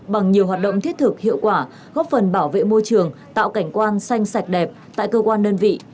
bằng nhiều hoạt động thiết thực hiệu quả góp phần bảo vệ môi trường tạo cảnh quan xanh sạch đẹp tại cơ quan đơn vị